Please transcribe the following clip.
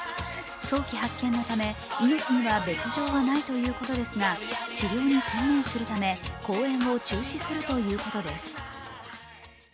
早期発見のため命には別状はないということですが治療に専念するため公演を中止するということです。